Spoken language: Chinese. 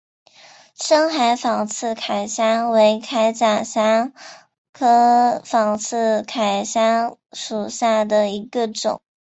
深海仿刺铠虾为铠甲虾科仿刺铠虾属下的一个种。